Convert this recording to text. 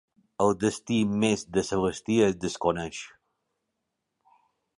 El destí més de Celestí es desconeix.